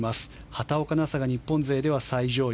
畑岡奈紗が日本勢では最上位。